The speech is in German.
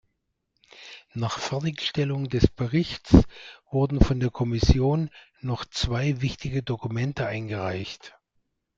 Nach Fertigstellung des Berichts wurden von der Kommission noch zwei wichtige Dokumente eingereicht.